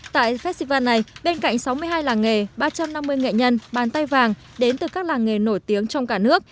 tại festival này bên cạnh sáu mươi hai làng nghề ba trăm năm mươi nghệ nhân bàn tay vàng đến từ các làng nghề nổi tiếng trong cả nước